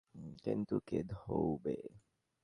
কিন্তু কে ধুবে?